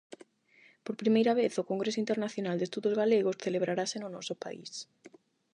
Por primeira vez, o Congreso Internacional de Estudos Galegos celebrarase no noso país.